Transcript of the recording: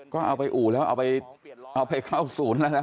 ก็เอาไปอู่แล้วเอาไปเอาไปเข้าศูนย์แล้วนะ